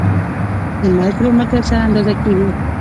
د مایکرومتر سره اندازه کیږي.